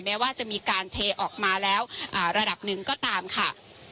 แม้ว่าจะมีการเทออกมาแล้วระดับหนึ่งก็ตามค่ะ